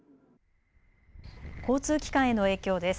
交通機関への影響です。